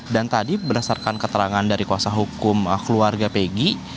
dan tadi berdasarkan keterangan dari kuasa hukum keluarga pg